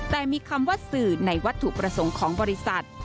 แต่มีคำว่าสื่อในวัตถุประสงค์ของบริษัท